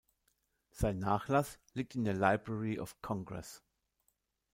Sein Nachlass liegt in der Library of Congress.